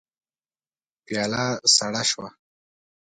پياله سړه شوه.